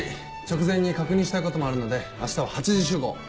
直前に確認したいこともあるので明日は８時集合。